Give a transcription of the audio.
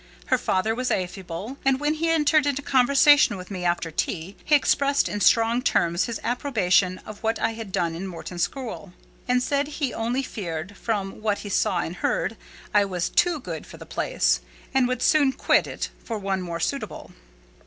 Her father was affable; and when he entered into conversation with me after tea, he expressed in strong terms his approbation of what I had done in Morton school, and said he only feared, from what he saw and heard, I was too good for the place, and would soon quit it for one more suitable.